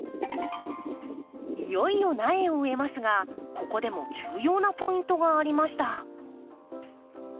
いよいよ苗を植えますがここでも重要なポイントがありました。